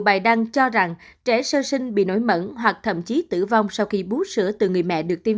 người cho rằng trẻ sơ sinh bị nổi mẩn hoặc thậm chí tử vong sau khi bú sữa từ người mẹ được tiêm